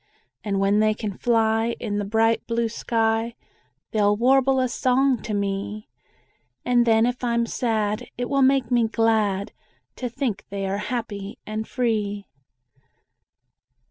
And when they can fly In the bright blue sky, They'll warble a song to me; And then if I'm sad It will make me glad To think they are happy and free.